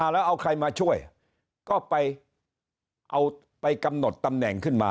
แล้วเอาใครมาช่วยก็ไปเอาไปกำหนดตำแหน่งขึ้นมา